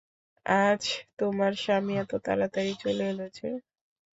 আজ তোমার স্বামী এত তাড়াতাড়ি চলে এলো যে?